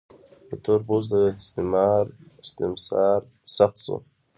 د تور پوستو استثمار سخت شو.